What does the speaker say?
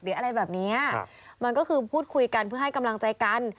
อะไรแบบนี้มันก็คือพูดคุยกันเพื่อให้กำลังใจกัน